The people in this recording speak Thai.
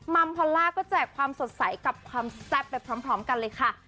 มัมพอลล่าก็แจกความสดใสกับความแซ่บไปพร้อมกันเลยค่ะ